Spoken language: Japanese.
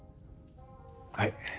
はい。